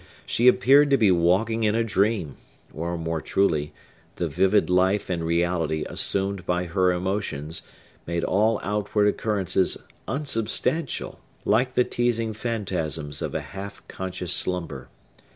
She appeared to be walking in a dream; or, more truly, the vivid life and reality assumed by her emotions made all outward occurrences unsubstantial, like the teasing phantasms of a half conscious slumber.